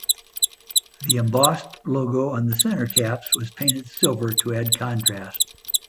The embossed logo on the center caps was painted silver to add contrast.